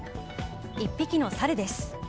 １匹のサルです。